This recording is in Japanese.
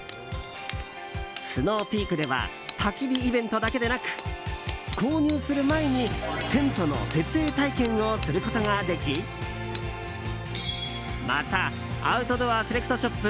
スノーピークではたき火イベントだけでなく購入する前にテントの設営体験をすることができまたアウトドアセレクトショップ